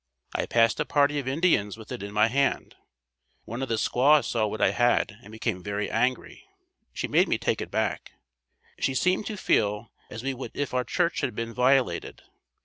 I passed a party of Indians with it in my hand. One of the squaws saw what I had and became very angry. She made me take it back. She seemed to feel as we would if our church had been violated.